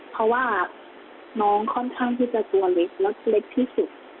เพราะว่าน้องค่อนข้างที่จะตัวเล็กและเล็กที่สุด